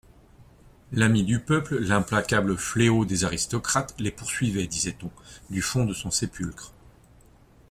L'Ami du peuple, l'implacable fléau des aristocrates, les poursuivait, disait-on, du fond de son sépulcre.